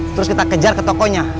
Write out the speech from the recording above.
terus kita kejar ke tokonya